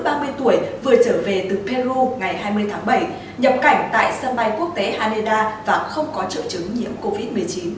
ngày hai mươi tháng bảy nhập cảnh tại sân bay quốc tế haneda và không có trợ chứng nhiễm covid một mươi chín